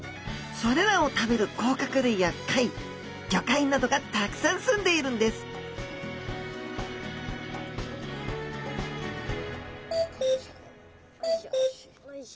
それらを食べる甲殻類や貝ゴカイなどがたくさん住んでいるんですよいしょ。